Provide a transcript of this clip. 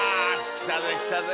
来たぜ来たぜ。